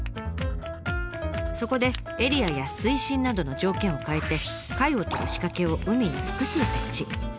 そこでエリアや水深などの条件を変えて貝をとる仕掛けを海に複数設置。